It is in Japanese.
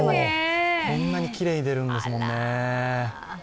こんなにきれいに出るんですもんね。